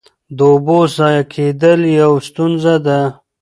د اوبو ضایع کېدل یوه ستونزه ده.